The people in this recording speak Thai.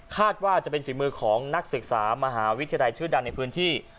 ว่าจะเป็นฝีมือของนักศึกษามหาวิทยาลัยชื่อดังในพื้นที่